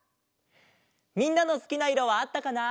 みんなのすきないろはあったかな？